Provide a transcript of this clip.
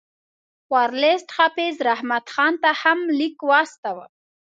ورلسټ حافظ رحمت خان ته هم لیک واستاوه.